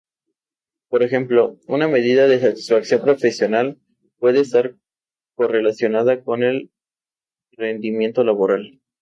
Por ejemplo, una medida de satisfacción profesional puede estar correlacionada con el rendimiento laboral.